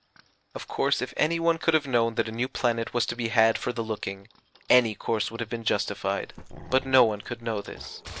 Of course, if any one could have known that a new planet was to be had for the looking, any course would have been justified; but no one could know this.